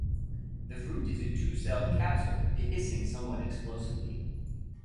The fruit is a two-celled capsule, dehiscing somewhat explosively.